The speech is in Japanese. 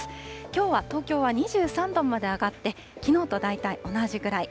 きょうは東京は２３度まで上がって、きのうと大体同じぐらい。